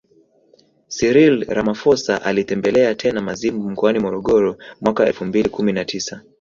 Cyril Ramaphosa alitembelea tena Mazimbu mkoani Morogoro mwaka elfu mbili kumi na tisa